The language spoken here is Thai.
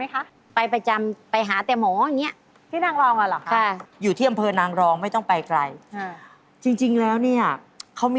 เคยไปไหมคะ